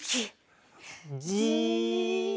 じっ。